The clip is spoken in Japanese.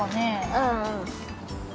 うんうん。